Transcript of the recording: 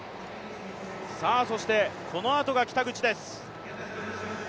そしてこのあとが北口です。